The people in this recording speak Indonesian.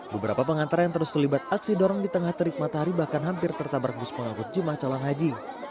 beberapa pengantar yang terus terlibat aksi dorong di tengah terik matahari bahkan hampir tertabrak bus pengangkut jemaah calon haji